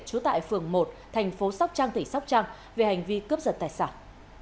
trú tại phường một thành phố sóc trăng tỉnh sóc trăng về hành vi cướp giật tài sản